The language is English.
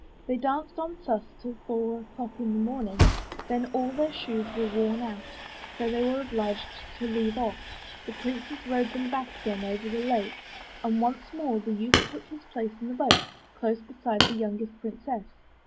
They danced on thus till four o'clock in the morning; then all their shoes were worn out, so they were obliged to leave off. The princes rowed them back again over the lake, and once more the youth took his place in the boat, close beside the youngest princess.